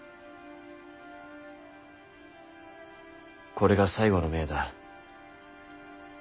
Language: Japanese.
これが最後の命だ。